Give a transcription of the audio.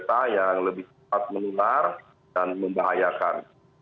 ada delta yang lebih cepat menular dan membahayakan